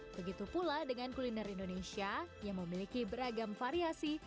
begitu pula dengan kuliner indonesia yang memiliki beragam variasi